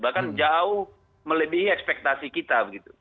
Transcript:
bahkan jauh melebihi ekspektasi kita